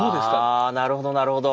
あなるほどなるほど。